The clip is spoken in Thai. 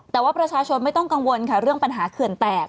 แต่ว่าประชาชนไม่ต้องกังวลค่ะเรื่องปัญหาเขื่อนแตก